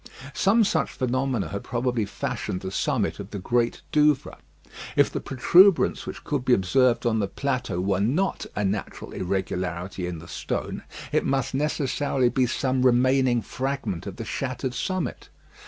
Some such phenomena had probably fashioned the summit of the Great Douvre. If the protuberance which could be observed on the plateau were not a natural irregularity in the stone, it must necessarily be some remaining fragment of the shattered summit.